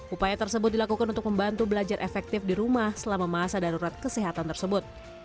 upaya tersebut dilakukan untuk membantu belajar efektif di rumah selama masa darurat kesehatan tersebut